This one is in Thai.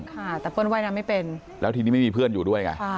ค่ะแต่เปิ้ลว่ายน้ำไม่เป็นแล้วทีนี้ไม่มีเพื่อนอยู่ด้วยไง